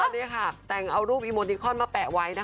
นี่ค่ะแต่งเอารูปอีโมดิคอนมาแปะไว้นะคะ